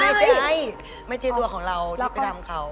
ไม่ใช่ไม่ใช่รัวของเราที่ไปทำเขา